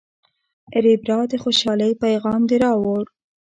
ریبراه، د خوشحالۍ پیغام دې راوړ.